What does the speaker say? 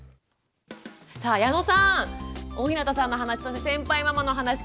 さあ矢野さん大日向さんの話そして先輩ママの話聞いていかがですか？